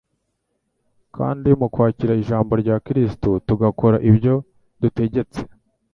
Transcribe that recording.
Kandi mu kwakira ijambo rya Kristo tugakora ibyo yadutegetse,